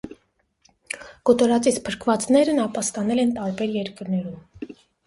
Կոտորածից փրկվածներն ապաստանել են տարբեր երկրներում։